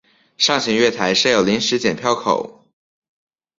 上行月台设有临时剪票口。